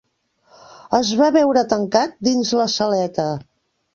Es va veure tancat, dins la saleta